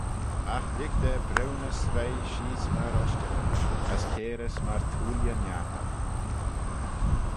Agh lhig da briwnys roie sheese myr ushtaghyn, as cairys myr thooilley niartal.